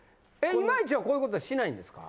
今市はこういうことはしないんですか？